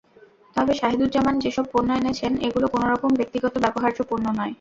তবে শাহেদুজ্জামান যেসব পণ্য এনেছেন এগুলো কোনো রকম ব্যক্তিগত ব্যবহার্য পণ্য নয়।